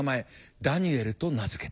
ダニエルと名付けた。